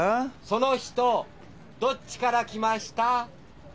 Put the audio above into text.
その人どっちから来ました